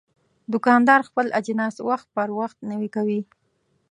دوکاندار خپل اجناس وخت پر وخت نوی کوي.